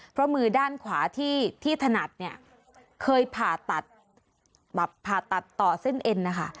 เพราะมือด้านขวาที่ถนัดเนี่ยเคยผ่าตัดแบบผ่าตัดต่อเส้นเอ็นนะคะ